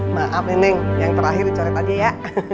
maaf neneng yang terakhir dicoret aja ya